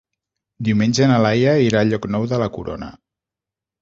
Diumenge na Laia irà a Llocnou de la Corona.